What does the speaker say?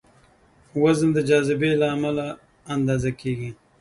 وزن د جاذبې له امله اندازه کېږي.